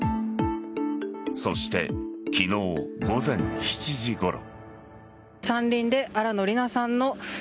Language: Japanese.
そして昨日午前７時ごろ。